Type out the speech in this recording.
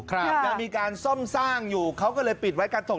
ยังมีการซ่อมสร้างอยู่เขาก็เลยปิดไว้การตก